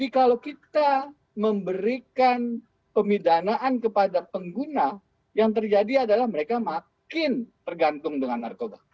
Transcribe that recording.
kalau kita memberikan pemidanaan kepada pengguna yang terjadi adalah mereka makin tergantung dengan narkoba